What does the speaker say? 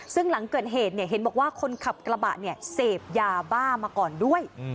ซึ่งหลังเกิดเหตุเห็นบอกว่าคนขับกระบะเนี่ยเสพยาบ้ามาก่อนด้วย